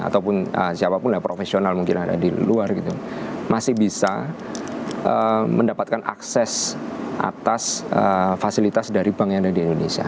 ataupun siapapun yang profesional mungkin yang ada di luar gitu masih bisa mendapatkan akses atas fasilitas dari bank yang ada di indonesia